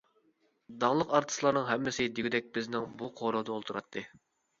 داڭلىق ئارتىسلارنىڭ ھەممىسى دېگۈدەك بىزنىڭ بۇ قورۇدا ئولتۇراتتى.